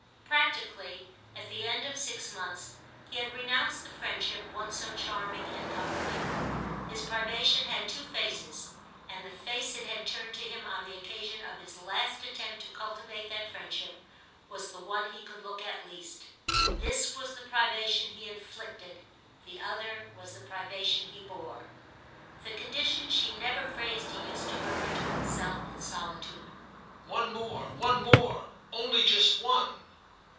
Practically, at the end of six months, he had renounced the friendship once so charming and comforting. His privation had two faces, and the face it had turned to him on the occasion of his last attempt to cultivate that friendship was the one he could look at least. This was the privation he inflicted; the other was the privation he bore. The conditions she never phrased he used to murmur to himself in solitude: "One more, one more—only just one."